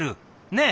ねえ！